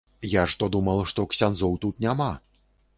Я ж то думаў, што ксяндзоў тут няма.